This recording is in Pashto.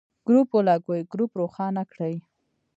ګروپ ولګوئ ، ګروپ روښانه کړئ.